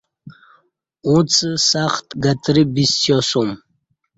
اُݩڅ سخت گترہ بِسیاسوم